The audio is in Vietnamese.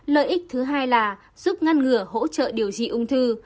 lợi ích thứ hai là giúp ngăn ngừa hỗ trợ điều trị ung thư